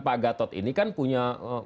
pak gatot ini kan punya